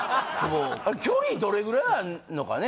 あれ距離どれぐらいあんのかね